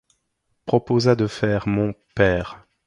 Proposa de faire mon. père